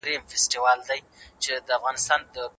که تاسو هرات ته لاړ شئ ډېر څه به وګورئ.